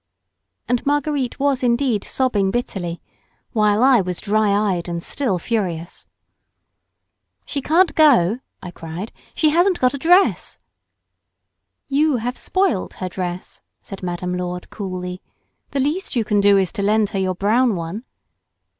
And Marguerite was indeed sobbing bitterly, while I was dry eyed and still furious. "She can't go," I cried, "she hasn't got a dress!" "You have spoilt her dress," said Madame Lourdes coolly, "the least you can do is to lend her your brown one."